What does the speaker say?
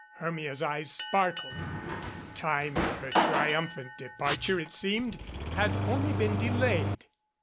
Hermia's eyes sparkled. The time for her triumphant departure, it seemed, had only been delayed.